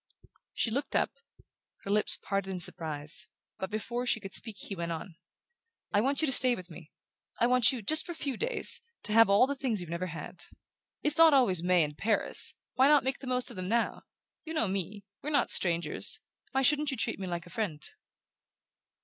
She looked up, her lips parted in surprise; but before she could speak he went on: "I want you to stay with me I want you, just for a few days, to have all the things you've never had. It's not always May and Paris why not make the most of them now? You know me we're not strangers why shouldn't you treat me like a friend?"